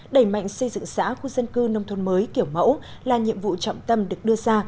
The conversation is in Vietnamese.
đẩy mạnh xây dựng xã khu dân cư nông thôn mới kiểu mẫu là nhiệm vụ trọng tâm được đưa ra